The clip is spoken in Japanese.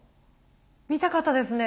見たかったですね